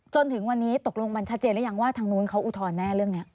จนถึงวันนี้ตกลงมันชัดเจนหรือยังว่าทางนู้นเขาอุทธรณ์แน่เรื่องนี้